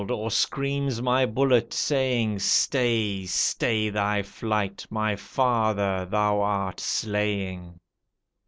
or screams my bullet, saying, "Stay, stay thy flight! My father thou art slaying."